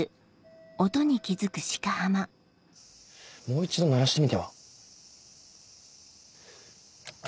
もう一度鳴らしてみては？